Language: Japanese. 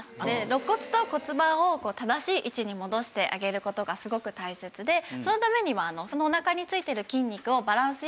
ろっ骨と骨盤を正しい位置に戻してあげる事がすごく大切でそのためには。